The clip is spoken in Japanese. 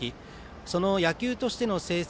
その野球としての成績